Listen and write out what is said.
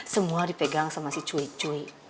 semua dipegang sama si cuy cuy